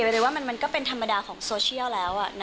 เลยว่ามันก็เป็นธรรมดาของโซเชียลแล้ว